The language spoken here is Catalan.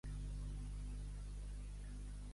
Per tot et tocarà menys per a les dents.